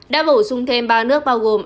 đã bổ sung thêm ba nước bao gồm